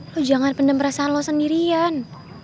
lo jangan pendam perasaan lo sendirian